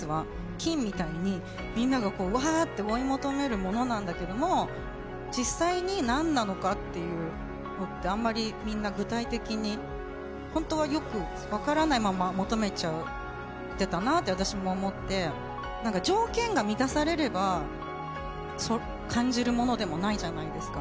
金みたいに、みんながわーって追い求めるものなんだけど、実際に何なのかというのってあんまりみんな具体的に、本当はよく分からないまま求めちゃってたなって私も思って、条件が満たされれば感じるものでもないじゃないですか。